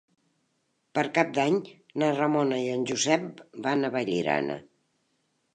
Per Cap d'Any na Ramona i en Josep van a Vallirana.